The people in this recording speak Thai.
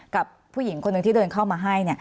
กับผู้หญิงคนหนึ่งที่เดินเข้ามาให้